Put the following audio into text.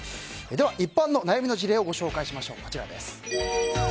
では、一般の悩みの事例をご紹介します、こちらです。